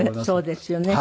そうですよね。